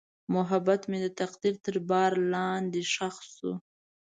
محبت مې د تقدیر تر بار لاندې ښخ شو.